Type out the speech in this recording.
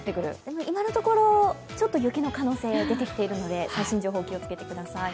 今のところ、ちょっと雪の可能性出てきているので最新情報気をつけてください。